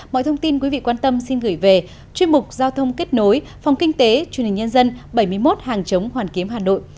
mọi thông tin quý vị quan tâm xin gửi về chuyên mục giao thông kết nối phòng kinh tế truyền hình nhân dân bảy mươi một hàng chống hoàn kiếm hà nội